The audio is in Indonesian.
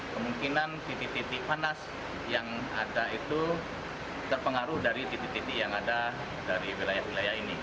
kemungkinan titik titik panas yang ada itu terpengaruh dari titik titik yang ada dari wilayah wilayah ini